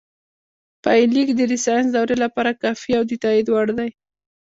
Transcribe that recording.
پایلیک د لیسانس دورې لپاره کافي او د تائید وړ دی